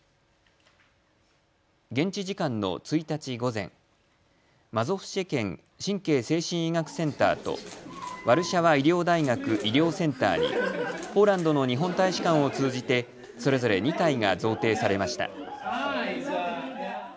現地時間の１日午前、マゾフシェ県神経精神医学センターとワルシャワ医療大学医療センターにポーランドの日本大使館を通じてそれぞれ２体が贈呈されました。